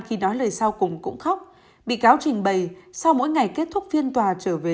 khi nói lời sau cùng cũng khóc bị cáo trình bày sau mỗi ngày kết thúc phiên tòa trở về